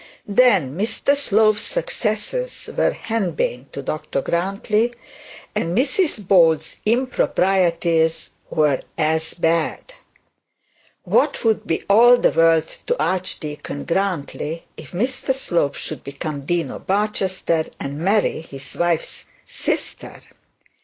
'Then Mr Slope's successes were henbane to Dr Grantly; and Mrs Bold's improprieties were as bad. What would be all the world to Archdeacon Grantly if Mr Slope should become the Dean of Barchester and marry his wife's sister!